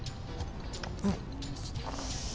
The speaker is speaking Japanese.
うん。